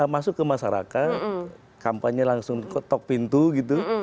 masuk ke masyarakat kampanye langsung ketok pintu gitu